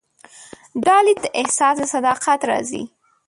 دا لید د احساس له صداقت راځي.